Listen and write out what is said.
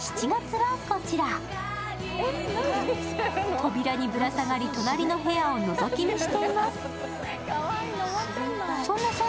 扉にぶら下がり隣の部屋をのぞき見しています。